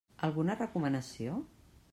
Alguna recomanació?